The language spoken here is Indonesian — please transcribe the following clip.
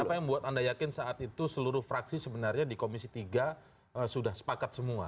apa yang membuat anda yakin saat itu seluruh fraksi sebenarnya di komisi tiga sudah sepakat semua